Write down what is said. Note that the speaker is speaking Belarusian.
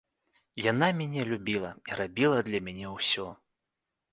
Яна мяне любіла і рабіла для мяне ўсё.